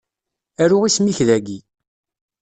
Aru isem-ik dagi.